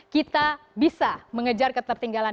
kita bisa mengejar ketertinggalan